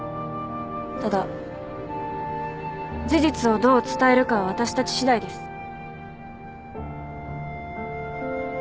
ただ事実をどう伝えるかは私たちしだいです。